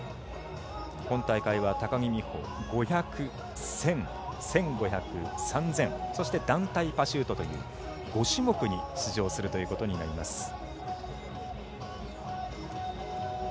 今大会高木美帆は５００、１０００１５００、３０００そして団体パシュートと５種目に出場するということになります。